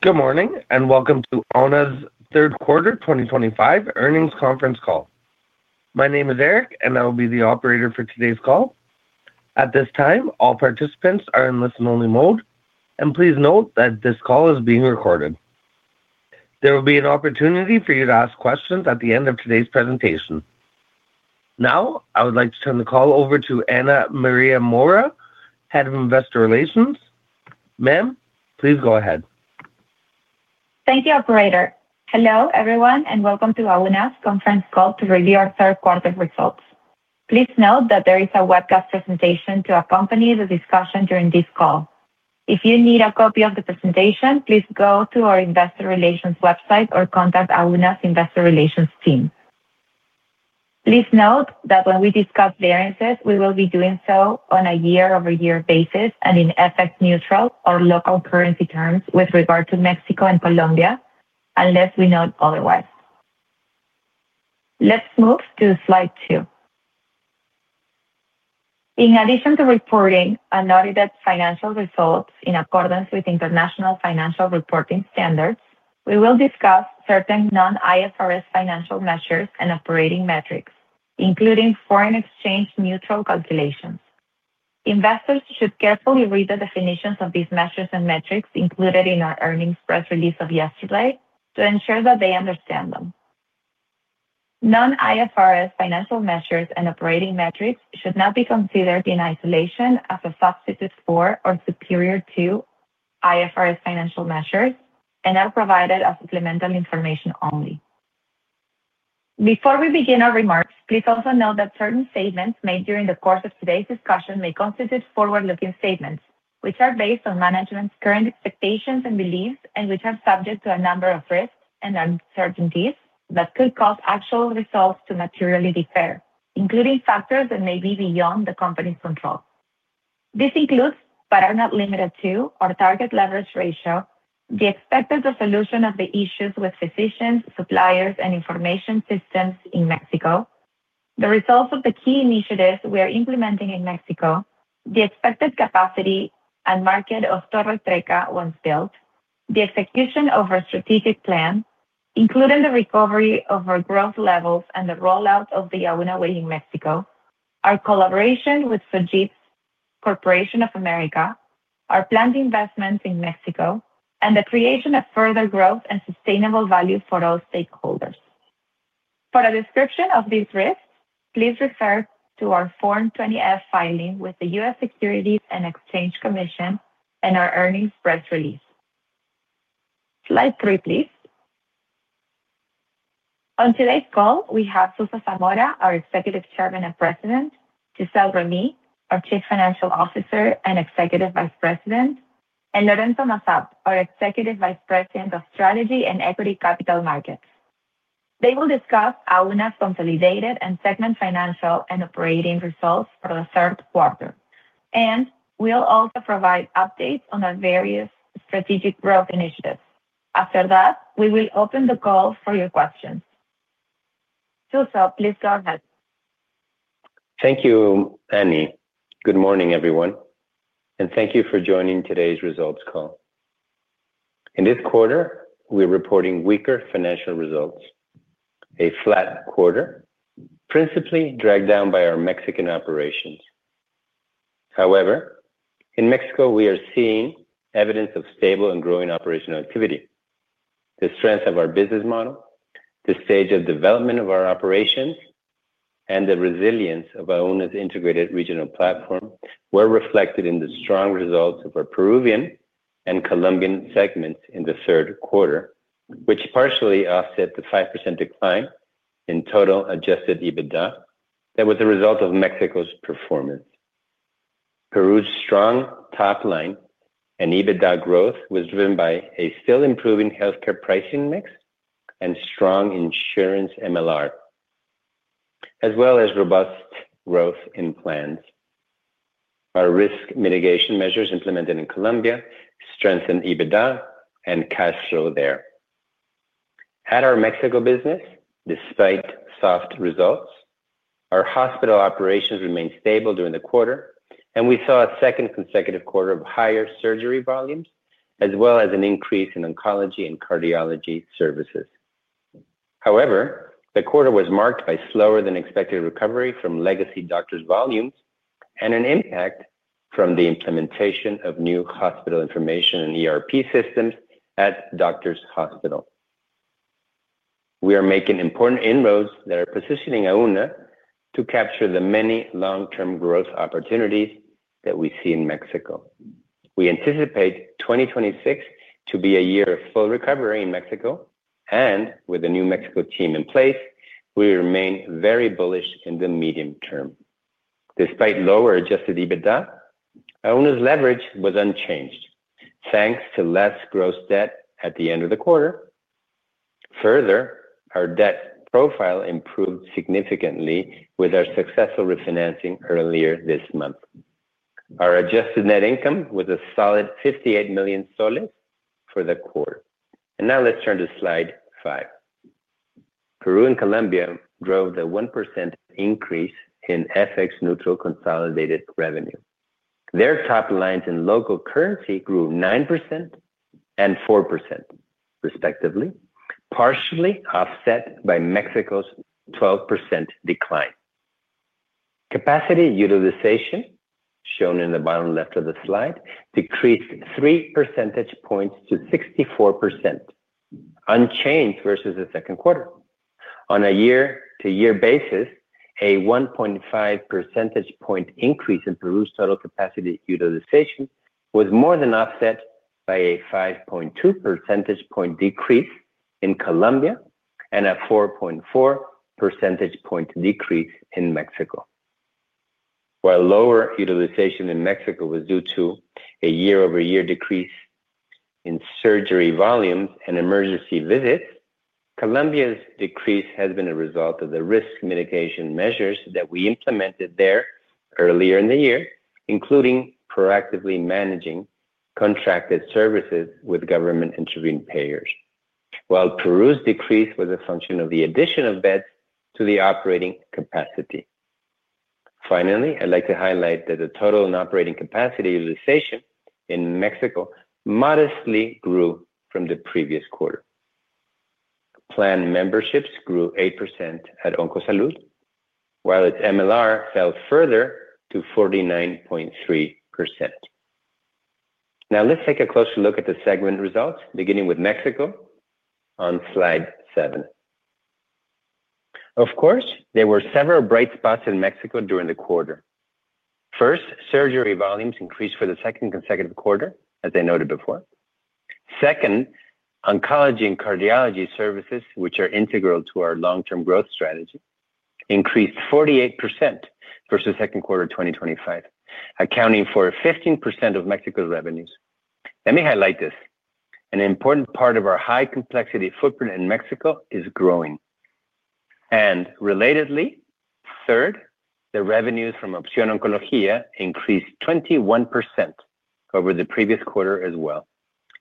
Good morning and welcome to Auna's Third Quarter 2025 Earnings Conference Call. My name is Eric, and I will be the operator for today's call. At this time, all participants are in listen-only mode, and please note that this call is being recorded. There will be an opportunity for you to ask questions at the end of today's presentation. Now, I would like to turn the call over to Ana Maria Mora, Head of Investor Relations. Ma'am, please go ahead. Thank you, operator. Hello, everyone, and welcome to Auna's Conference Call to review our third quarter results. Please note that there is a webcast presentation to accompany the discussion during this call. If you need a copy of the presentation, please go to our investor relations website or contact Auna's investor relations team. Please note that when we discuss variances, we will be doing so on a year-over-year basis and in FX-neutral or local currency terms with regard to Mexico and Colombia, unless we note otherwise. Let's move to slide two. In addition to reporting a noted financial result in accordance with International Financial Reporting Standards, we will discuss certain non-IFRS financial measures and operating metrics, including foreign exchange-neutral calculations. Investors should carefully read the definitions of these measures and metrics included in our earnings press release of yesterday to ensure that they understand them. Non-IFRS financial measures and operating metrics should not be considered in isolation as a substitute for or superior to IFRS financial measures and are provided as supplemental information only. Before we begin our remarks, please also note that certain statements made during the course of today's discussion may constitute forward-looking statements, which are based on management's current expectations and beliefs, and which are subject to a number of risks and uncertainties that could cause actual results to materially differ, including factors that may be beyond the company's control. This includes, but are not limited to, our target leverage ratio, the expected resolution of the issues with physicians, suppliers, and information systems in Mexico, the results of the key initiatives we are implementing in Mexico, the expected capacity and market of Torre Trecca, once built, the execution of our strategic plan, including the recovery of our growth levels and the rollout of the AunaWay in Mexico, our collaboration with Sojitz Corporation of America, our planned investments in Mexico, and the creation of further growth and sustainable value for all stakeholders. For a description of these risks, please refer to our Form 20-F filing with the U.S. Securities and Exchange Commission and our earnings press release. Slide three, please. On today's call, we have Suso Zamora, our Executive Chairman and President, Gisele Remy, our Chief Financial Officer and Executive Vice President, and Lorenzo Massart, our Executive Vice President of Strategy and Equity Capital Markets. They will discuss Auna's consolidated and segment financial and operating results for the third quarter, and we'll also provide updates on our various strategic growth initiatives. After that, we will open the call for your questions. Suso, please go ahead. Thank you, Ana Maria Mora. Good morning, everyone, and thank you for joining today's results call. In this quarter, we're reporting weaker financial results, a flat quarter, principally dragged down by our Mexican operations. However, in Mexico, we are seeing evidence of stable and growing operational activity. The strength of our business model, the stage of development of our operations, and the resilience of Auna's integrated regional platform were reflected in the strong results of our Peruvian and Colombian segments in the third quarter, which partially offset the 5% decline in total adjusted EBITDA that was a result of Mexico's performance. Peru's strong top line and EBITDA growth was driven by a still improving healthcare pricing mix and strong insurance MLR, as well as robust growth in plans. Our risk mitigation measures implemented in Colombia strengthened EBITDA and cash flow there. At our Mexico business, despite soft results, our hospital operations remained stable during the quarter, and we saw a second consecutive quarter of higher surgery volumes, as well as an increase in oncology and cardiology services. However, the quarter was marked by slower-than-expected recovery from legacy doctors' volumes and an impact from the implementation of new hospital information and ERP systems at Doctors' Hospital. We are making important inroads that are positioning Auna to capture the many long-term growth opportunities that we see in Mexico. We anticipate 2026 to be a year of full recovery in Mexico, and with the new Mexico team in place, we remain very bullish in the medium term. Despite lower adjusted EBITDA, Auna's leverage was unchanged, thanks to less gross debt at the end of the quarter. Further, our debt profile improved significantly with our successful refinancing earlier this month. Our adjusted net income was a solid PEN 58 million for the quarter. Now let's turn to slide five. Peru and Colombia drove the 1% increase in FX-neutral consolidated revenue. Their top lines in local currency grew 9% and 4%, respectively, partially offset by Mexico's 12% decline. Capacity utilization, shown in the bottom left of the slide, decreased 3 percentage points to 64%, unchanged versus the second quarter. On a year-to-year basis, a 1.5 percentage point increase in Peru's total capacity utilization was more than offset by a 5.2 percentage point decrease in Colombia and a 4.4 percentage point decrease in Mexico. While lower utilization in Mexico was due to a year-over-year decrease in surgery volumes and emergency visits, Colombia's decrease has been a result of the risk mitigation measures that we implemented there earlier in the year, including proactively managing contracted services with government intervening payers, while Peru's decrease was a function of the addition of beds to the operating capacity. Finally, I'd like to highlight that the total and operating capacity utilization in Mexico modestly grew from the previous quarter. Plan memberships grew 8% at Oncosalud, while its MLR fell further to 49.3%. Now, let's take a closer look at the segment results, beginning with Mexico on slide seven. Of course, there were several bright spots in Mexico during the quarter. First, surgery volumes increased for the second consecutive quarter, as I noted before. Second, oncology and cardiology services, which are integral to our long-term growth strategy, increased 48% versus second quarter 2025, accounting for 15% of Mexico's revenues. Let me highlight this. An important part of our high-complexity footprint in Mexico is growing. Relatedly, third, the revenues from Opcion Oncología increased 21% over the previous quarter as well.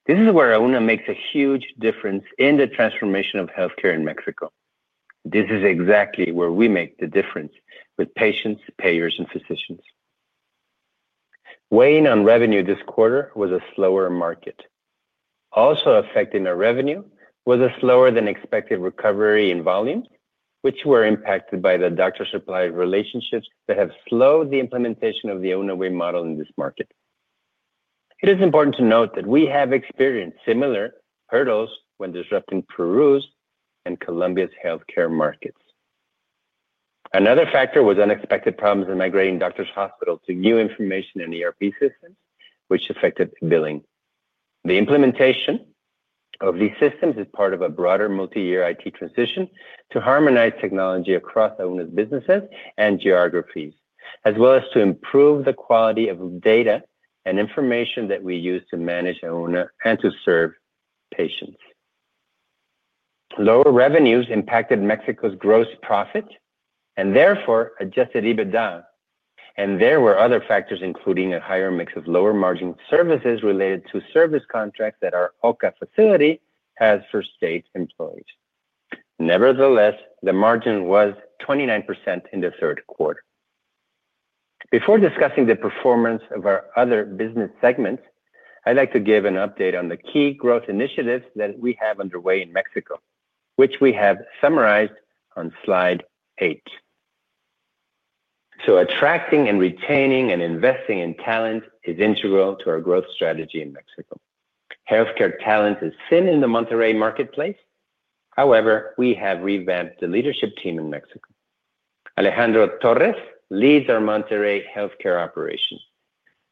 This is where Auna makes a huge difference in the transformation of healthcare in Mexico. This is exactly where we make the difference with patients, payers, and physicians. Weighing on revenue this quarter was a slower market. Also affecting our revenue was a slower-than-expected recovery in volumes, which were impacted by the doctor-supplier relationships that have slowed the implementation of the AunaWay model in this market. It is important to note that we have experienced similar hurdles when disrupting Peru's and Colombia's healthcare markets. Another factor was unexpected problems in migrating Doctors' Hospital to new information and ERP systems, which affected billing. The implementation of these systems is part of a broader multi-year IT transition to harmonize technology across Auna's businesses and geographies, as well as to improve the quality of data and information that we use to manage Auna and to serve patients. Lower revenues impacted Mexico's gross profit and therefore adjusted EBITDA, and there were other factors, including a higher mix of lower-margin services related to service contracts that our OCA facility has for state employees. Nevertheless, the margin was 29% in the third quarter. Before discussing the performance of our other business segments, I'd like to give an update on the key growth initiatives that we have underway in Mexico, which we have summarized on slide eight. Attracting, retaining, and investing in talent is integral to our growth strategy in Mexico. Healthcare talent is thin in the Monterrey marketplace. However, we have revamped the leadership team in Mexico. Alejandro Torres leads our Monterrey healthcare operations.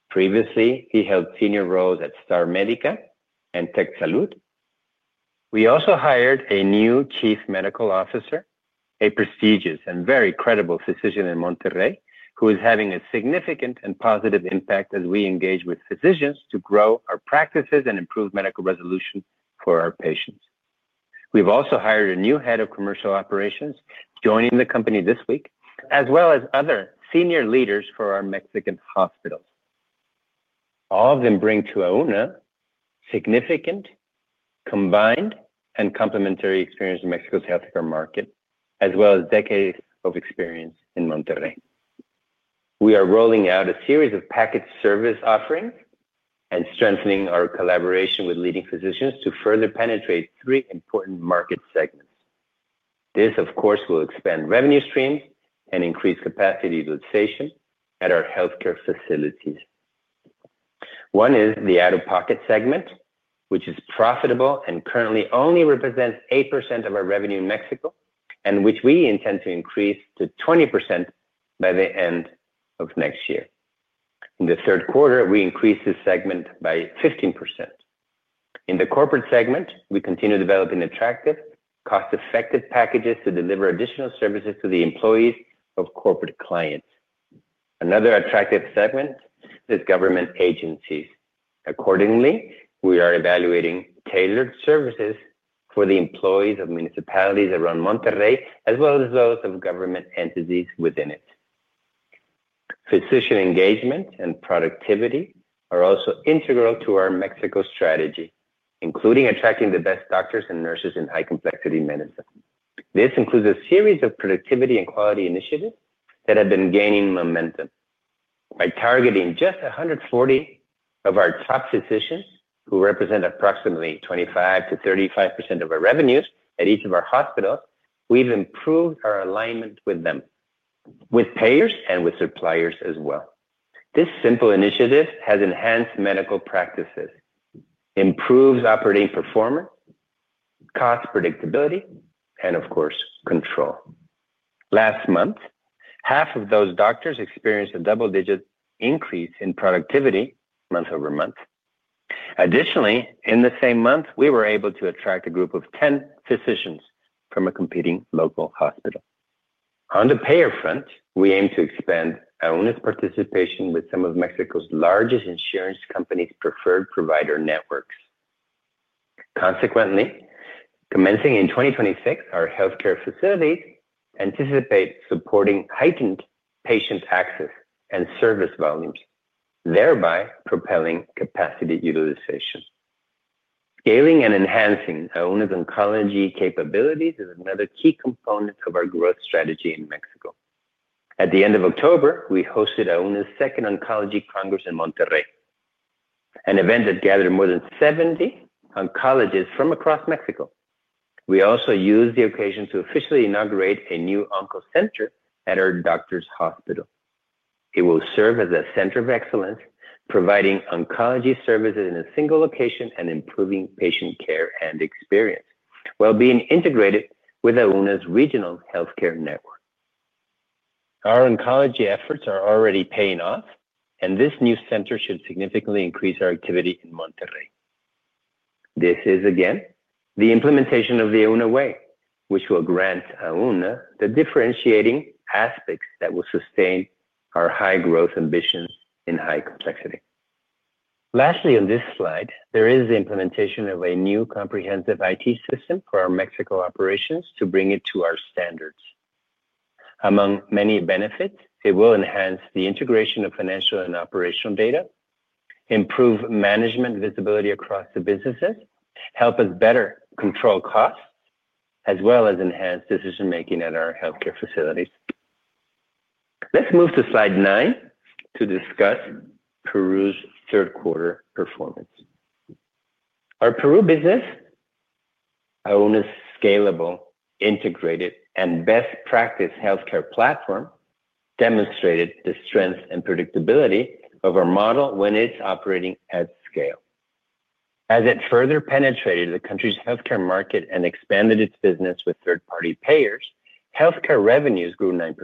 Previously, he held senior roles at Star Medica and TecSalud. We also hired a new Chief Medical Officer, a prestigious and very credible physician in Monterrey, who is having a significant and positive impact as we engage with physicians to grow our practices and improve medical resolution for our patients. We have also hired a new head of commercial operations joining the company this week, as well as other senior leaders for our Mexican hospitals. All of them bring to Auna significant combined and complementary experience in Mexico's healthcare market, as well as decades of experience in Monterrey. We are rolling out a series of package service offerings and strengthening our collaboration with leading physicians to further penetrate three important market segments. This, of course, will expand revenue streams and increase capacity utilization at our healthcare facilities. One is the out-of-pocket segment, which is profitable and currently only represents 8% of our revenue in Mexico, and which we intend to increase to 20% by the end of next year. In the third quarter, we increased this segment by 15%. In the corporate segment, we continue developing attractive, cost-effective packages to deliver additional services to the employees of corporate clients. Another attractive segment is government agencies. Accordingly, we are evaluating tailored services for the employees of municipalities around Monterrey, as well as those of government entities within it. Physician engagement and productivity are also integral to our Mexico strategy, including attracting the best doctors and nurses in high-complexity medicine. This includes a series of productivity and quality initiatives that have been gaining momentum. By targeting just 140 of our top physicians, who represent approximately 25%-35% of our revenues at each of our hospitals, we've improved our alignment with them, with payers and with suppliers as well. This simple initiative has enhanced medical practices, improved operating performance, cost predictability, and, of course, control. Last month, half of those doctors experienced a double-digit increase in productivity month over month. Additionally, in the same month, we were able to attract a group of 10 physicians from a competing local hospital. On the payer front, we aim to expand Auna's participation with some of Mexico's largest insurance companies' preferred provider networks. Consequently, commencing in 2026, our healthcare facilities anticipate supporting heightened patient access and service volumes, thereby propelling capacity utilization. Scaling and enhancing Auna's oncology capabilities is another key component of our growth strategy in Mexico. At the end of October, we hosted Auna's 2nd Oncology Congress in Monterrey, an event that gathered more than 70 oncologists from across Mexico. We also used the occasion to officially inaugurate a new onco center at our Doctors' Hospital. It will serve as a center of excellence, providing oncology services in a single location and improving patient care and experience while being integrated with Auna's regional healthcare network. Our oncology efforts are already paying off, and this new center should significantly increase our activity in Monterrey. This is, again, the implementation of the AunaWay, which will grant Auna the differentiating aspects that will sustain our high-growth ambitions in high complexity. Lastly, on this slide, there is the implementation of a new comprehensive IT system for our Mexico operations to bring it to our standards. Among many benefits, it will enhance the integration of financial and operational data, improve management visibility across the businesses, help us better control costs, as well as enhance decision-making at our healthcare facilities. Let's move to slide nine to discuss Peru's third-quarter performance. Our Peru business, Auna's scalable, integrated, and best-practice healthcare platform, demonstrated the strength and predictability of our model when it's operating at scale. As it further penetrated the country's healthcare market and expanded its business with third-party payers, healthcare revenues grew 9%,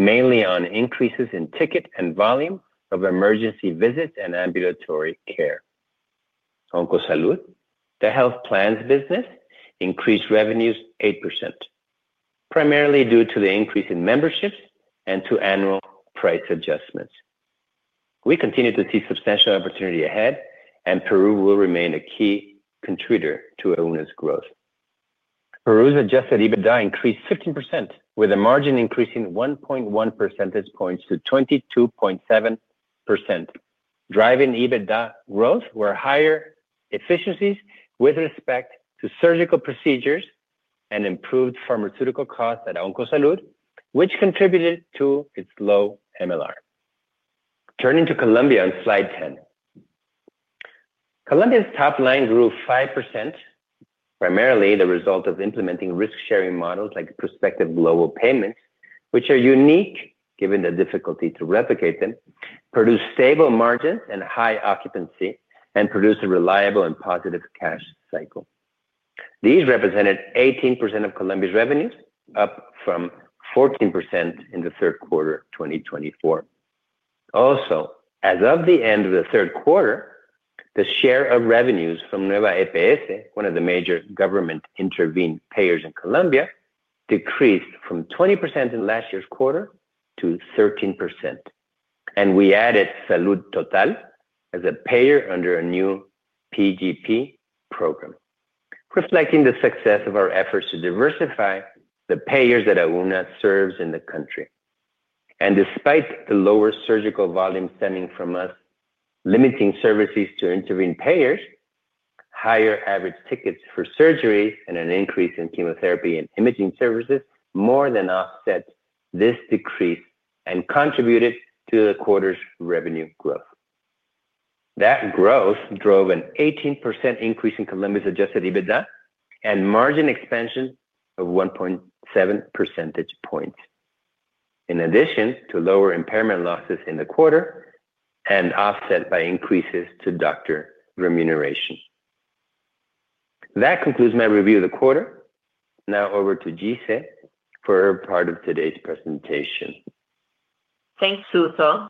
mainly on increases in ticket and volume of emergency visits and ambulatory care. Oncosalud, the health plans business, increased revenues 8%, primarily due to the increase in memberships and to annual price adjustments. We continue to see substantial opportunity ahead, and Peru will remain a key contributor to Auna's growth. Peru's adjusted EBITDA increased 15%, with the margin increasing 1.1 percentage points to 22.7%, driving EBITDA growth where higher efficiencies with respect to surgical procedures and improved pharmaceutical costs at Oncosalud, which contributed to its low MLR. Turning to Colombia on slide 10, Colombia's top line grew 5%, primarily the result of implementing risk-sharing models like prospective global payments, which are unique given the difficulty to replicate them, produce stable margins and high occupancy, and produce a reliable and positive cash cycle. These represented 18% of Colombia's revenues, up from 14% in the third quarter 2024. Also, as of the end of the third quarter, the share of revenues from Nueva EPS, one of the major government-intervened payers in Colombia, decreased from 20% in last year's quarter to 13%. We added Salud Total as a payer under a new PGP program, reflecting the success of our efforts to diversify the payers that Auna serves in the country. Despite the lower surgical volume stemming from us limiting services to intervened payers, higher average tickets for surgery and an increase in chemotherapy and imaging services more than offset this decrease and contributed to the quarter's revenue growth. That growth drove an 18% increase in Colombia's adjusted EBITDA and margin expansion of 1.7 percentage points, in addition to lower impairment losses in the quarter and offset by increases to doctor remuneration. That concludes my review of the quarter. Now over to Gisele for her part of today's presentation. Thanks, Suso.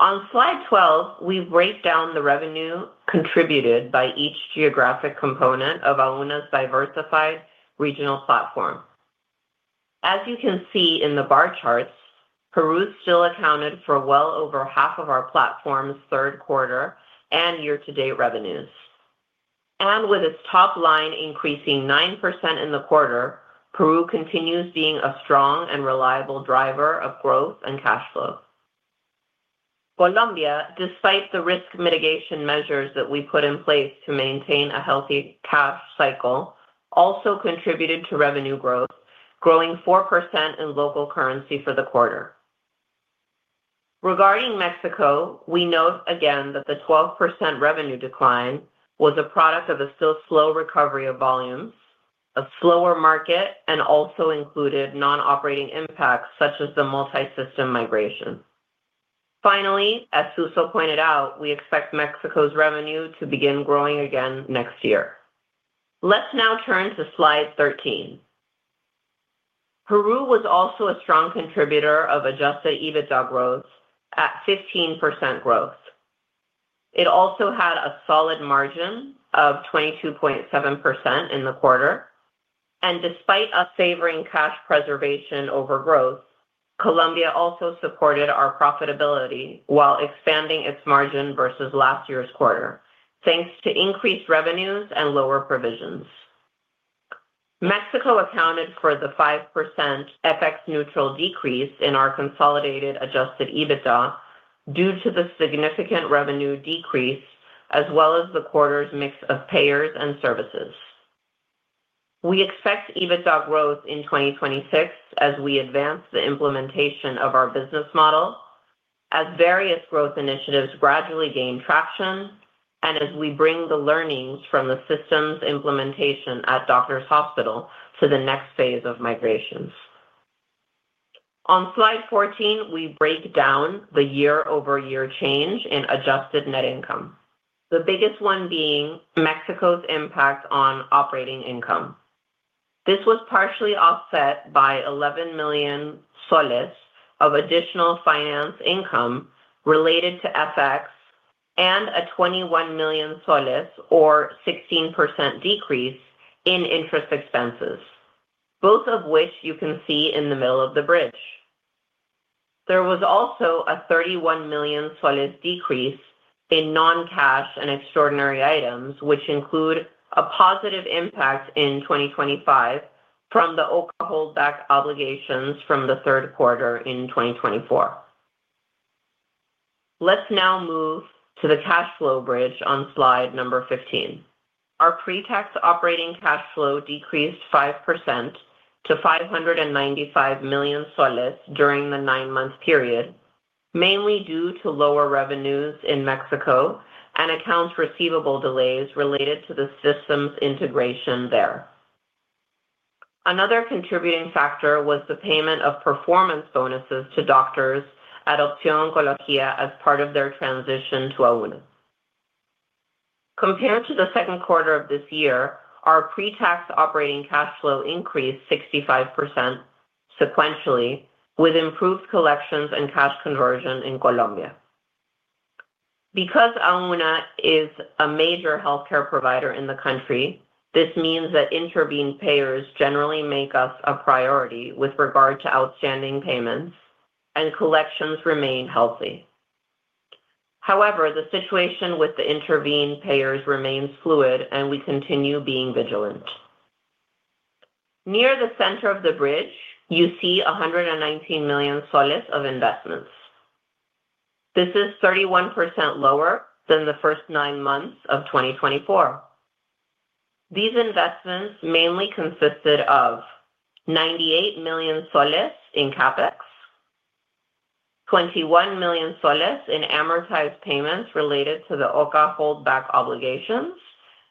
On slide 12, we've broken down the revenue contributed by each geographic component of Auna's diversified regional platform. As you can see in the bar charts, Peru still accounted for well over half of our platform's third quarter and year-to-date revenues. With its top line increasing 9% in the quarter, Peru continues being a strong and reliable driver of growth and cash flow. Colombia, despite the risk mitigation measures that we put in place to maintain a healthy cash cycle, also contributed to revenue growth, growing 4% in local currency for the quarter. Regarding Mexico, we note again that the 12% revenue decline was a product of a still slow recovery of volumes, a slower market, and also included non-operating impacts such as the multi-system migration. Finally, as Suso pointed out, we expect Mexico's revenue to begin growing again next year. Let's now turn to slide 13. Peru was also a strong contributor of adjusted EBITDA growth at 15% growth. It also had a solid margin of 22.7% in the quarter. Despite us favoring cash preservation over growth, Colombia also supported our profitability while expanding its margin versus last year's quarter, thanks to increased revenues and lower provisions. Mexico accounted for the 5% FX-neutral decrease in our consolidated adjusted EBITDA due to the significant revenue decrease, as well as the quarter's mix of payers and services. We expect EBITDA growth in 2026 as we advance the implementation of our business model, as various growth initiatives gradually gain traction, and as we bring the learnings from the system's implementation at Doctors' Hospital to the next phase of migrations. On slide 14, we break down the year-over-year change in adjusted net income, the biggest one being Mexico's impact on operating income. This was partially offset by PEN 11 million of additional finance income related to FX and a PEN 21 million, or 16% decrease, in interest expenses, both of which you can see in the middle of the bridge. There was also a PEN 31 million decrease in non-cash and extraordinary items, which include a positive impact in 2025 from the OCA holdback obligations from the third quarter in 2024. Let's now move to the cash flow bridge on slide number 15. Our pre-tax operating cash flow decreased 5% to PEN 595 million during the nine-month period, mainly due to lower revenues in Mexico and accounts receivable delays related to the system's integration there. Another contributing factor was the payment of performance bonuses to doctors at Opcion Oncología as part of their transition to Auna. Compared to the second quarter of this year, our pre-tax operating cash flow increased 65% sequentially, with improved collections and cash conversion in Colombia. Because Auna is a major healthcare provider in the country, this means that intervened payers generally make us a priority with regard to outstanding payments, and collections remain healthy. However, the situation with the intervened payers remains fluid, and we continue being vigilant. Near the center of the bridge, you see PEN 119 million of investments. This is 31% lower than the first nine months of 2024. These investments mainly consisted of PEN 98 million in CapEx, PEN 21 million in amortized payments related to the OCA holdback obligations,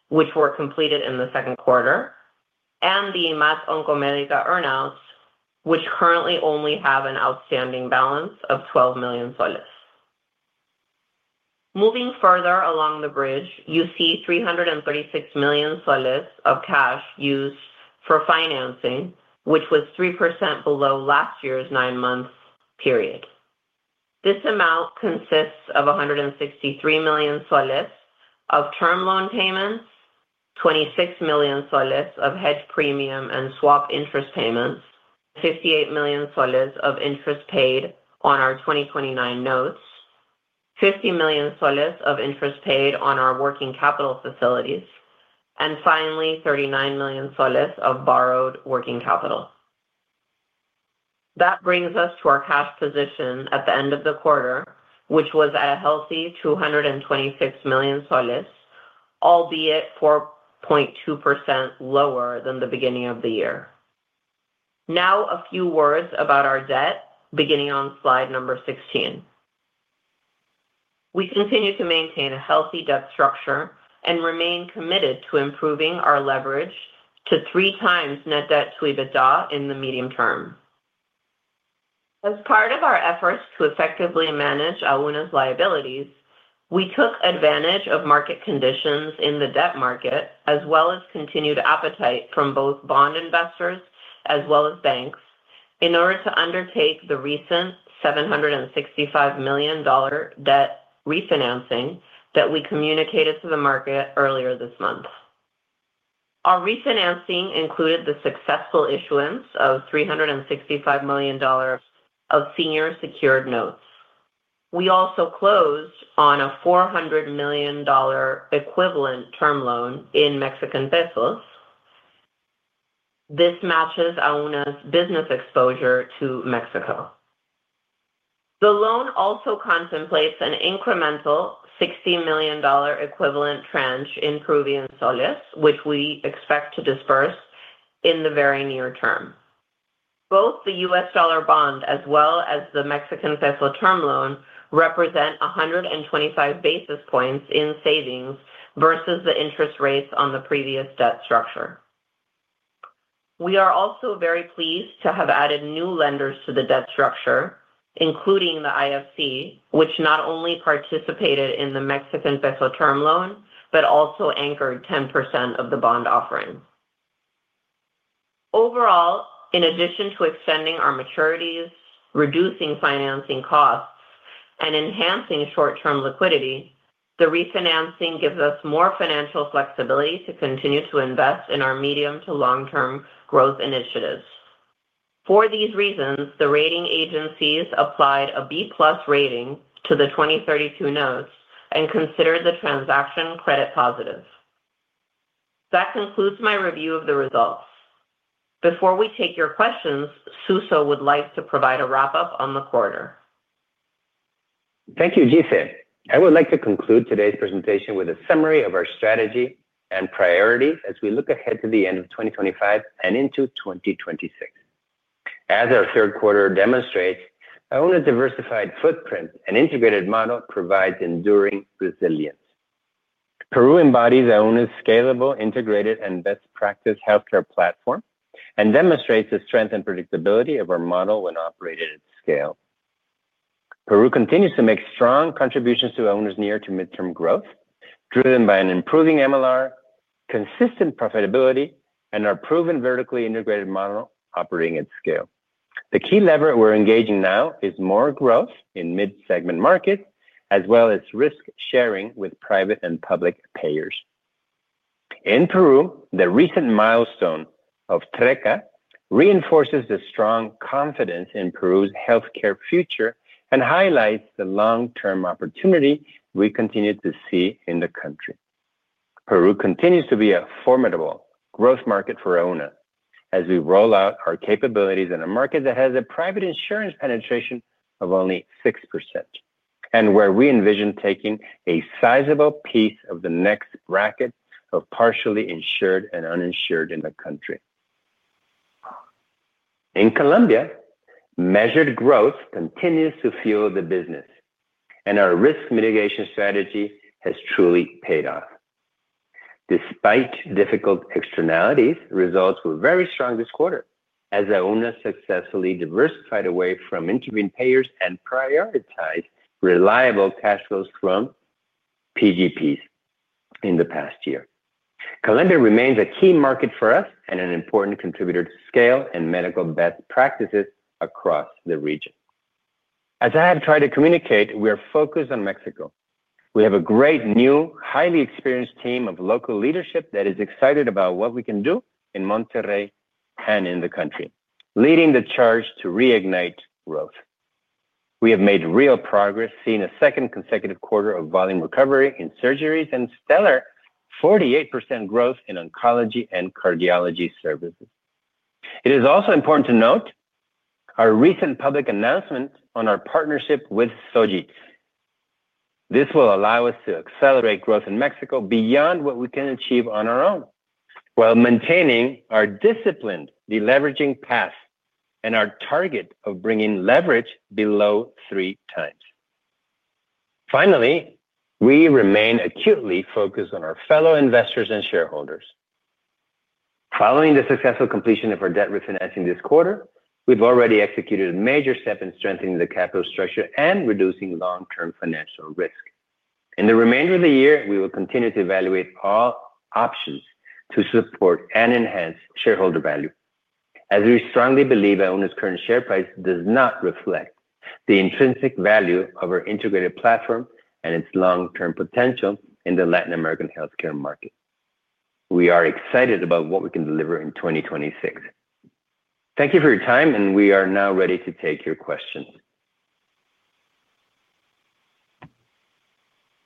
which were completed in the second quarter, and the IMAT Oncomedica earnouts, which currently only have an outstanding balance of PEN 12 million. Moving further along the bridge, you see PEN 336 million of cash used for financing, which was 3% below last year's nine-month period. This amount consists of PEN 163 million of term loan payments, PEN 26 million of hedge premium and swap interest payments, PEN 58 million of interest paid on our 2029 notes, PEN 50 million of interest paid on our working capital facilities, and finally, PEN 39 million of borrowed working capital. That brings us to our cash position at the end of the quarter, which was at a healthy PEN 226 million, albeit 4.2% lower than the beginning of the year. Now, a few words about our debt, beginning on slide number 16. We continue to maintain a healthy debt structure and remain committed to improving our leverage to three times net debt to EBITDA in the medium term. As part of our efforts to effectively manage Auna's liabilities, we took advantage of market conditions in the debt market, as well as continued appetite from both bond investors as well as banks, in order to undertake the recent $765 million debt refinancing that we communicated to the market earlier this month. Our refinancing included the successful issuance of $365 million of senior secured notes. We also closed on a MXN 400 million equivalent term loan in Mexican pesos. This matches Auna's business exposure to Mexico. The loan also contemplates an incremental PEN 60 million equivalent tranche in Peruvian soles, which we expect to disperse in the very near term. Both the U.S. dollar bond as well as the Mexican peso term loan represent 125 basis points in savings versus the interest rates on the previous debt structure. We are also very pleased to have added new lenders to the debt structure, including the IFC, which not only participated in the Mexican peso term loan but also anchored 10% of the bond offering. Overall, in addition to extending our maturities, reducing financing costs, and enhancing short-term liquidity, the refinancing gives us more financial flexibility to continue to invest in our medium to long-term growth initiatives. For these reasons, the rating agencies applied a B+ rating to the 2032 notes and considered the transaction credit positive. That concludes my review of the results. Before we take your questions, Suso would like to provide a wrap-up on the quarter. Thank you, Gisele. I would like to conclude today's presentation with a summary of our strategy and priorities as we look ahead to the end of 2025 and into 2026. As our third quarter demonstrates, Auna's diversified footprint and integrated model provide enduring resilience. Peru embodies Auna's scalable, integrated, and best-practice healthcare platform and demonstrates the strength and predictability of our model when operated at scale. Peru continues to make strong contributions to Auna's near- to midterm growth, driven by an improving MLR, consistent profitability, and our proven vertically integrated model operating at scale. The key lever we're engaging now is more growth in mid-segment markets, as well as risk-sharing with private and public payers. In Peru, the recent milestone of Trecca reinforces the strong confidence in Peru's healthcare future and highlights the long-term opportunity we continue to see in the country. Peru continues to be a formidable growth market for Auna as we roll out our capabilities in a market that has a private insurance penetration of only 6%, and where we envision taking a sizable piece of the next bracket of partially insured and uninsured in the country. In Colombia, measured growth continues to fuel the business, and our risk mitigation strategy has truly paid off. Despite difficult externalities, results were very strong this quarter, as Auna successfully diversified away from intervened payers and prioritized reliable cash flows from PGPs in the past year. Colombia remains a key market for us and an important contributor to scale and medical best practices across the region. As I have tried to communicate, we are focused on Mexico. We have a great new, highly experienced team of local leadership that is excited about what we can do in Monterrey and in the country, leading the charge to reignite growth. We have made real progress, seeing a second consecutive quarter of volume recovery in surgeries and stellar 48% growth in oncology and cardiology services. It is also important to note our recent public announcement on our partnership with Sojitz. This will allow us to accelerate growth in Mexico beyond what we can achieve on our own, while maintaining our disciplined deleveraging path and our target of bringing leverage below three times. Finally, we remain acutely focused on our fellow investors and shareholders. Following the successful completion of our debt refinancing this quarter, we've already executed a major step in strengthening the capital structure and reducing long-term financial risk. In the remainder of the year, we will continue to evaluate all options to support and enhance shareholder value. As we strongly believe Auna's current share price does not reflect the intrinsic value of our integrated platform and its long-term potential in the Latin American healthcare market, we are excited about what we can deliver in 2026. Thank you for your time, and we are now ready to take your questions.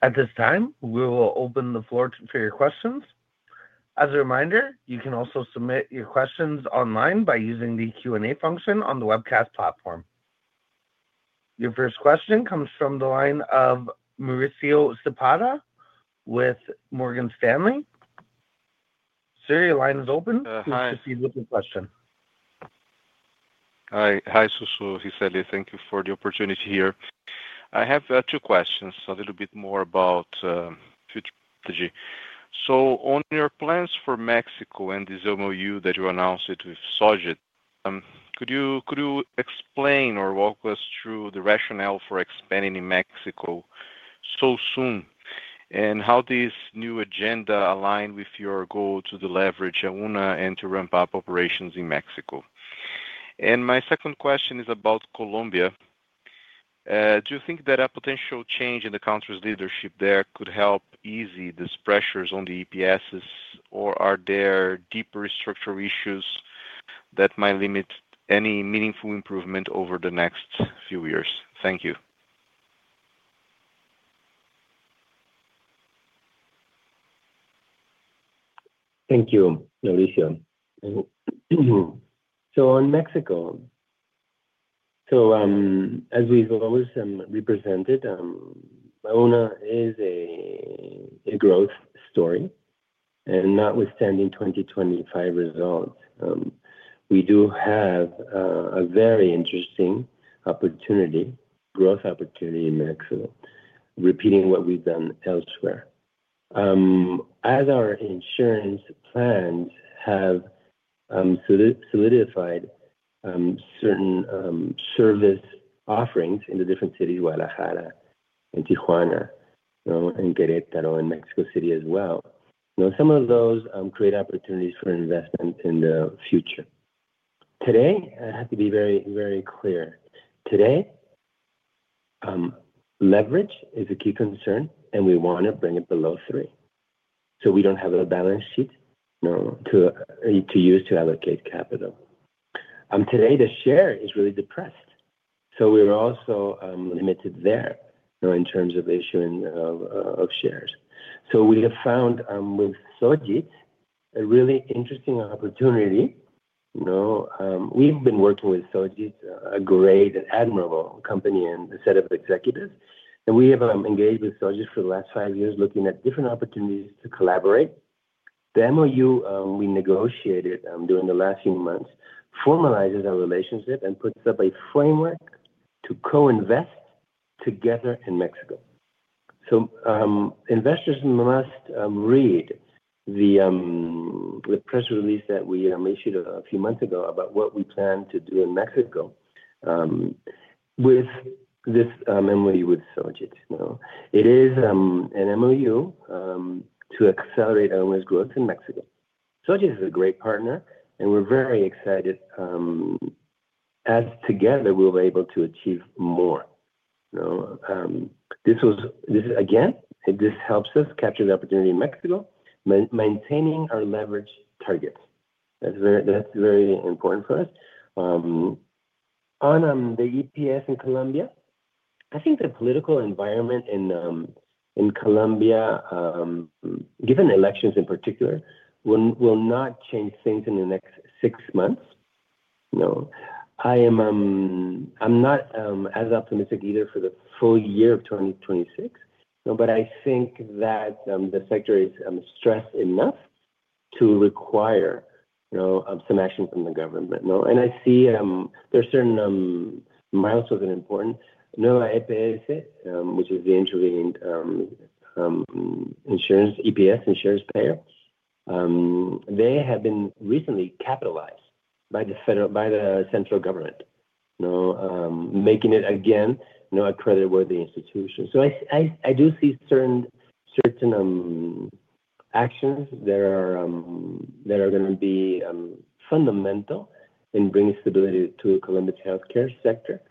At this time, we will open the floor for your questions. As a reminder, you can also submit your questions online by using the Q&A function on the webcast platform. Your first question comes from the line of Mauricio Cepeda with Morgan Stanley. Sir, your line is open. Please proceed with your question. Hi, Suso, Gisele. Thank you for the opportunity here. I have two questions, a little bit more about future strategy. On your plans for Mexico and this MOU that you announced with Sojitz, could you explain or walk us through the rationale for expanding in Mexico so soon, and how this new agenda aligns with your goal to deleverage Auna and to ramp up operations in Mexico? My second question is about Colombia. Do you think that a potential change in the country's leadership there could help ease these pressures on the EPSs, or are there deeper structural issues that might limit any meaningful improvement over the next few years? Thank you. Thank you, Mauricio. On Mexico, as we've always represented, Auna is a growth story, and notwithstanding 2025 results, we do have a very interesting opportunity, growth opportunity in Mexico, repeating what we've done elsewhere. As our insurance plans have solidified certain service offerings in the different cities, Guadalajara and Tijuana, and Querétaro and Mexico City as well, some of those create opportunities for investment in the future. Today, I have to be very, very clear. Today, leverage is a key concern, and we want to bring it below 3. We do not have a balance sheet to use to allocate capital. Today, the share is really depressed. We are also limited there in terms of issuing of shares. We have found with Sojitz a really interesting opportunity. We have been working with Sojitz, a great and admirable company and a set of executives. We have engaged with Sojitz for the last five years, looking at different opportunities to collaborate. The MOU we negotiated during the last few months formalizes our relationship and puts up a framework to co-invest together in Mexico. Investors must read the press release that we issued a few months ago about what we plan to do in Mexico with this MOU with Sojitz. It is an MOU to accelerate Auna's growth in Mexico. Sojitz is a great partner, and we're very excited as together we'll be able to achieve more. This is, again, this helps us capture the opportunity in Mexico, maintaining our leverage targets. That's very important for us. On the EPS in Colombia, I think the political environment in Colombia, given elections in particular, will not change things in the next six months. I'm not as optimistic either for the full year of 2026, but I think that the sector is stressed enough to require some action from the government. I see there are certain milestones that are important. Nueva EPS, which is the intervened insurance, EPS insurance payer, they have been recently capitalized by the central government, making it, again, a creditworthy institution. I do see certain actions that are going to be fundamental in bringing stability to the Colombian healthcare sector.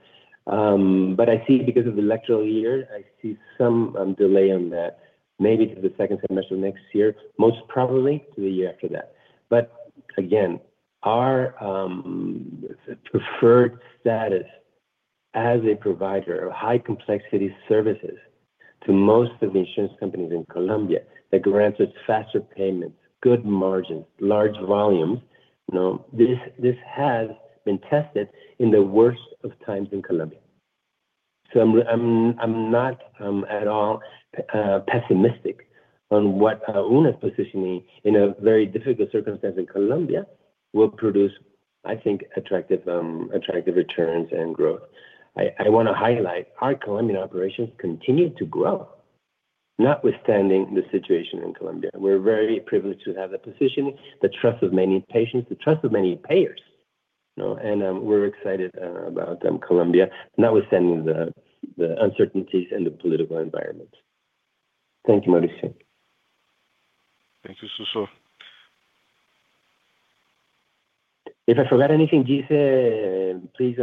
I see, because of the electoral year, I see some delay on that, maybe to the second semester of next year, most probably to the year after that. Again, our preferred status as a provider of high-complexity services to most of the insurance companies in Colombia that grants us faster payments, good margins, large volumes, this has been tested in the worst of times in Colombia. I am not at all pessimistic on what Auna's positioning in a very difficult circumstance in Colombia will produce, I think, attractive returns and growth. I want to highlight our Colombian operations continue to grow, notwithstanding the situation in Colombia. We're very privileged to have the positioning, the trust of many patients, the trust of many payers. We're excited about Colombia, notwithstanding the uncertainties in the political environment. Thank you, Mauricio. Thank you, Suso. If I forgot anything, Gisele, please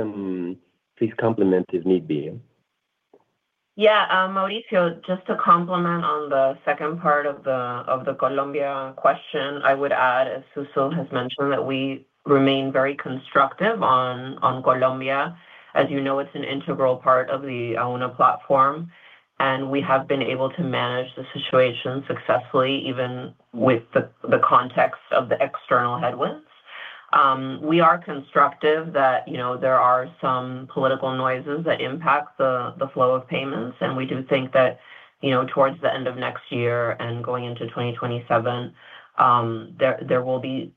complement if need be. Yeah, Mauricio, just to complement on the second part of the Colombia question, I would add, as Suso has mentioned, that we remain very constructive on Colombia. As you know, it's an integral part of the Auna platform, and we have been able to manage the situation successfully, even with the context of the external headwinds. We are constructive that there are some political noises that impact the flow of payments, and we do think that towards the end of next year and going into 2027, there will be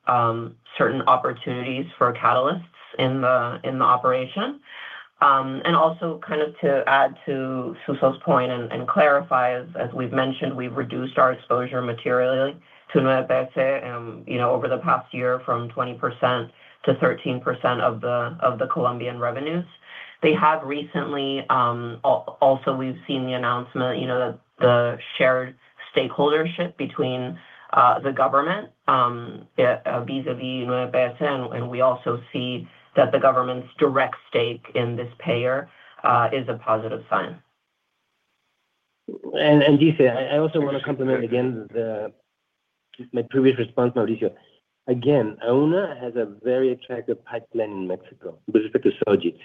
certain opportunities for catalysts in the operation. Also, to add to Suso's point and clarify, as we've mentioned, we've reduced our exposure materially to Nueva EPS over the past year from 20% to 13% of the Colombian revenues. They have recently also seen the announcement that the shared stakeholdership between the government vis-à-vis Nueva EPS, and we also see that the government's direct stake in this payer is a positive sign. Gisele, I also want to complement again my previous response, Mauricio. Again, Auna has a very attractive pipeline in Mexico with respect to Sojitz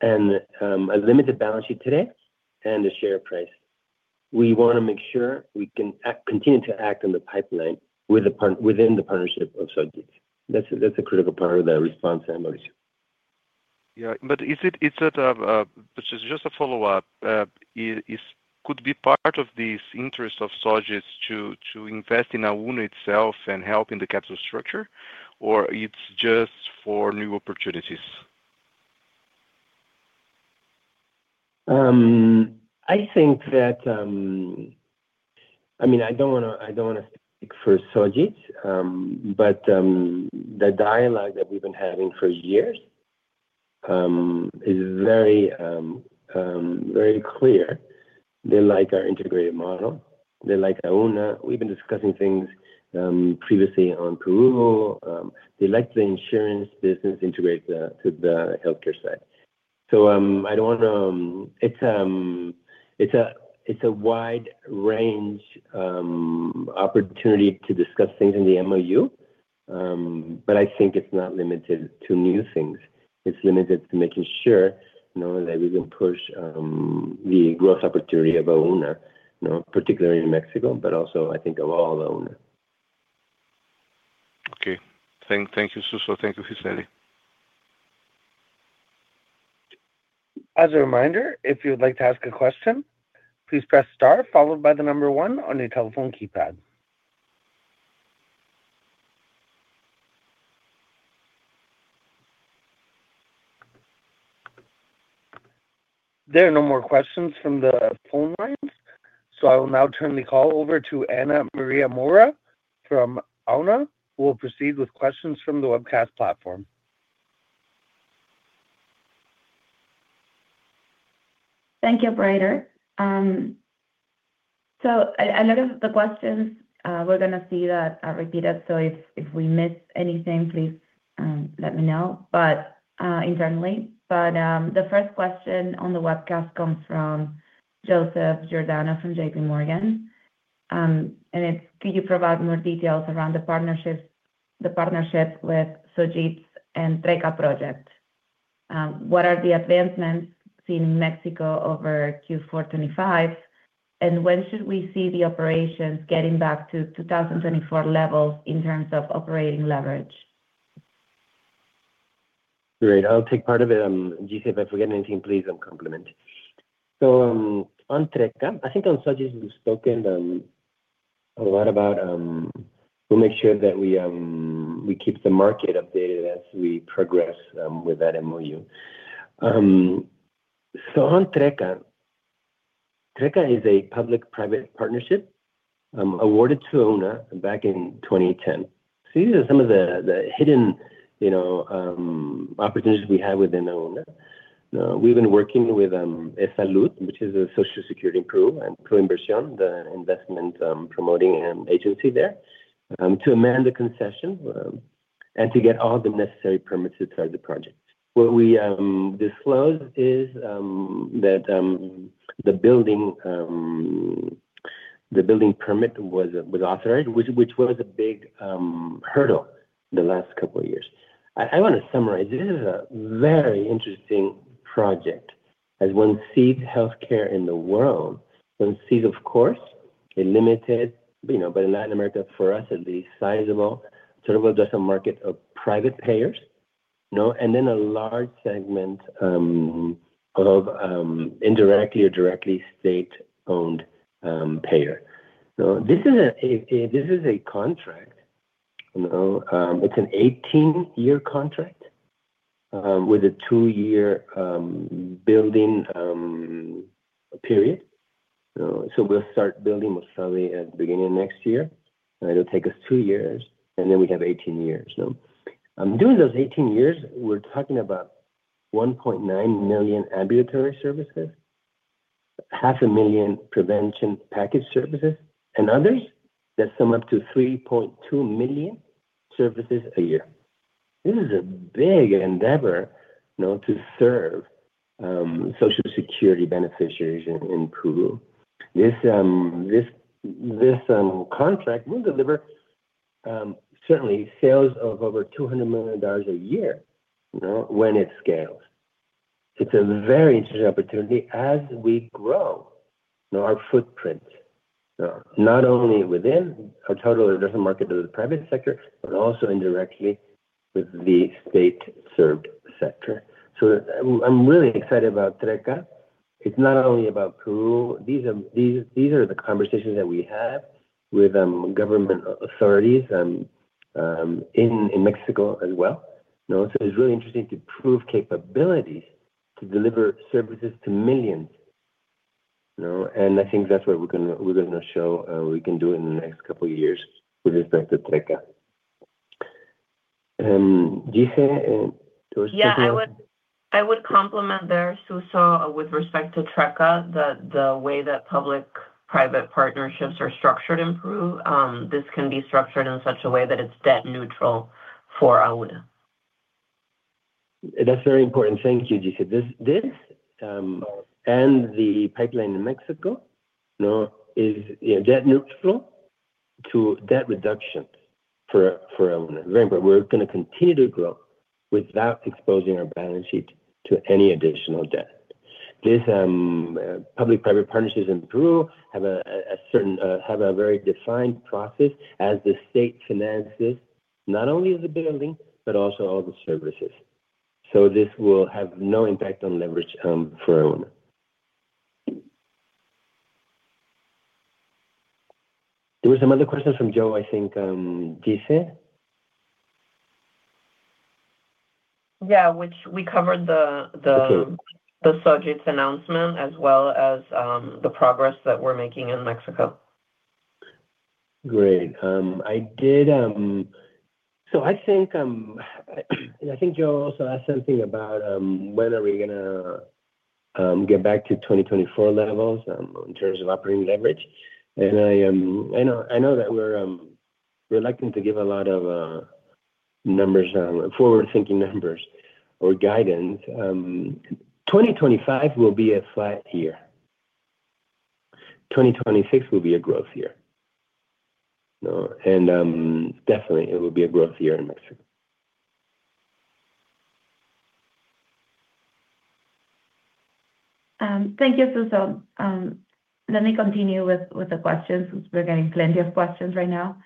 and a limited balance sheet today and the share price. We want to make sure we can continue to act on the pipeline within the partnership of Sojitz. That's a critical part of the response, Mauricio. Yeah, but is it just a follow-up? Could it be part of this interest of Sojitz to invest in Auna itself and help in the capital structure, or it's just for new opportunities? I think that, I mean, I don't want to speak for Sojitz, but the dialogue that we've been having for years is very clear. They like our integrated model. They like Auna. We've been discussing things previously on Peru. They like the insurance business integrated to the healthcare side. I don't want to—it's a wide-range opportunity to discuss things in the MOU, but I think it's not limited to new things. It's limited to making sure that we can push the growth opportunity of Auna, particularly in Mexico, but also, I think, of all Auna. Okay. Thank you, Suso. Thank you, Gisele. As a reminder, if you'd like to ask a question, please press star, followed by the number one on your telephone keypad. There are no more questions from the phone lines, so I will now turn the call over to Ana Maria Mora from Auna, who will proceed with questions from the webcast platform. Thank you, operator. A lot of the questions, we're going to see that repeated, so if we miss anything, please let me know, but internally. The first question on the webcast comes from Joseph Giordano from JPMorgan, and it's, "Could you provide more details around the partnership with Sojitz and Trecca project? What are the advancements seen in Mexico over Q4 2025, and when should we see the operations getting back to 2024 levels in terms of operating leverage? Great. I'll take part of it. Gisele, if I forget anything, please complement. On Trecca, I think on Sojitz, we've spoken a lot about we'll make sure that we keep the market updated as we progress with that MOU. On Trecca, Trecca is a public-private partnership awarded to Auna back in 2010. These are some of the hidden opportunities we have within Auna. We've been working with EsSalud, which is a Social Security in Peru and ProInversion, the investment promoting agency there, to amend the concession and to get all the necessary permits to start the project. What we disclosed is that the building permit was authorized, which was a big hurdle the last couple of years. I want to summarize. This is a very interesting project. As one sees healthcare in the world, one sees, of course, a limited, but in Latin America, for us at least, sizable, sort of a market of private payers, and then a large segment of indirectly or directly state-owned payer. This is a contract. It is an 18-year contract with a two-year building period. We will start building most probably at the beginning of next year. It will take us two years, and then we have 18 years. During those 18 years, we are talking about 1.9 million ambulatory services, 500,000 prevention package services, and others that sum up to 3.2 million services a year. This is a big endeavor to serve Social Security beneficiaries in Peru. This contract will deliver, certainly, sales of over $200 million a year when it scales. It's a very interesting opportunity as we grow our footprint, not only within our total investment market of the private sector, but also indirectly with the state-served sector. I'm really excited about Trecca. It's not only about Peru. These are the conversations that we have with government authorities in Mexico as well. It's really interesting to prove capabilities to deliver services to millions. I think that's what we're going to show we can do in the next couple of years with respect to Trecca. Gisele, there was something. Yeah, I would complement there, Suso, with respect to Trecca, the way that public-private partnerships are structured in Peru. This can be structured in such a way that it's debt neutral for Auna. That's very important. Thank you, Gisele. This and the pipeline in Mexico is debt neutral to debt reduction for Auna. Very important. We're going to continue to grow without exposing our balance sheet to any additional debt. These public-private partnerships in Peru have a very defined process as the state finances not only the building, but also all the services. This will have no impact on leverage for Auna. There were some other questions from Joe, I think. Gisele? Yeah, which we covered the Sojitz announcement as well as the progress that we're making in Mexico. Great. I think Joe also asked something about when are we going to get back to 2024 levels in terms of operating leverage. I know that we're reluctant to give a lot of numbers, forward-thinking numbers or guidance. 2025 will be a flat year. 2026 will be a growth year. Definitely, it will be a growth year in Mexico. Thank you, Suso. Let me continue with the questions since we're getting plenty of questions right now.